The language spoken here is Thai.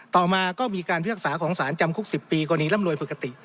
ต่อมาก็มีการพิพากษาของสารจำคุก๑๐ปีกรณีร่ำรวยปกติ